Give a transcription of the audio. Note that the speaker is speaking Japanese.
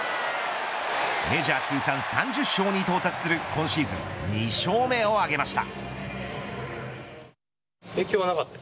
メジャー通算３０勝に到達する今シーズン２勝目を挙げました。